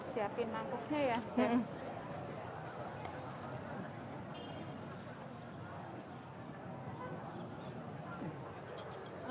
siapin mangkuknya ya